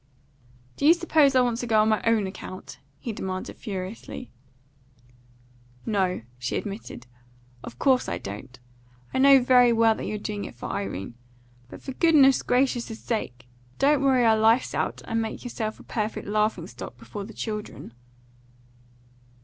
"Do you suppose I want to go on my own account?" he demanded furiously. "No," she admitted. "Of course I don't. I know very well that you're doing it for Irene; but, for goodness gracious' sake, don't worry our lives out, and make yourself a perfect laughing stock before the children."